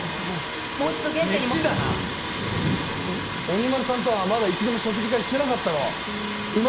鬼丸さんとはまだ一度も食事会してなかったろう。